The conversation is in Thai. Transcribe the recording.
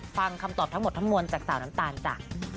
ฟังคำตอบทั้งหมดทั้งมวลจากสาวน้ำตาลจ้ะ